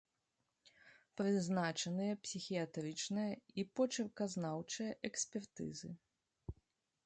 Прызначаныя псіхіятрычная і почырказнаўчая экспертызы.